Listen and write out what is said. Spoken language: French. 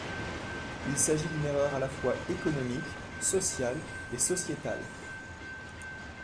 Il s’agit d’une erreur à la fois économique, sociale et sociétale.